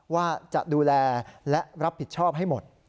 ว่าจะดูแลและรับผิดชอบให้หมด